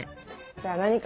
じゃあ何か。